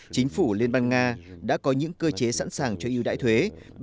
chính phủ liên bang nga đã có những cơ chế sẵn sàng cho ưu đại thuế